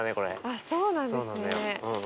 あっそうなんですね。